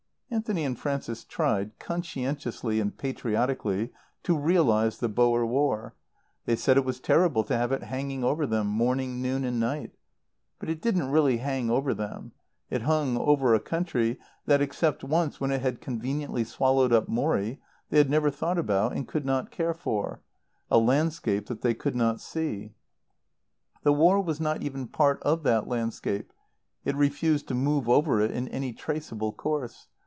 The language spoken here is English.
Anthony and Frances tried, conscientiously and patriotically, to realize the Boer War. They said it was terrible to have it hanging over them, morning, noon and night. But it didn't really hang over them. It hung over a country that, except once when it had conveniently swallowed up Morrie, they had never thought about and could not care for, a landscape that they could not see. The war was not even part of that landscape; it refused to move over it in any traceable course.